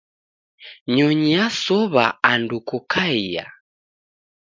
Nyonyi yasow'a andu kokaria.